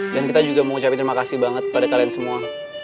dan kita juga mengucapkan terima kasih banget kepada kalian semua